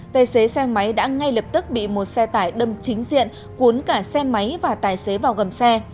tài xế xe máy đã ngay lập tức bị một xe tải đâm chính diện cuốn cả xe máy và tài xế vào gầm xe